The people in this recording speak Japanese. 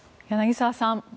柳澤さん